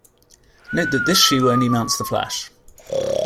Note that this shoe only mounts the flash.